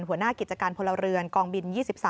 หัวหน้ากิจการพลเรือนกองบิน๒๓